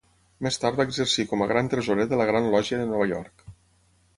Més tard va exercir com a Gran Tresorer de la Gran Lògia de Nova York.